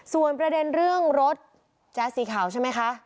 ส่วนประเด็นเรื่องรถแจ๊สสีขาวใช่ไหมคะ